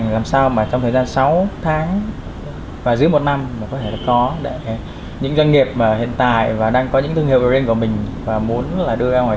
làm sao mà trong thời gian sáu tháng và dưới một năm mà có thể có để những doanh nghiệp mà hiện tại là doanh nghiệp mới có thể có được